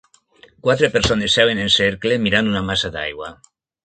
Quatre persones seuen en cercle mirant una massa d'aigua.